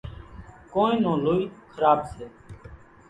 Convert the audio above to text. ڪونئين نون لوئي کراٻ سي۔